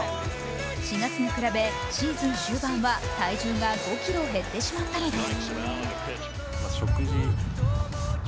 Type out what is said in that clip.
４月に比べシーズン終盤は体重が５ｋｇ減ってしまったのです。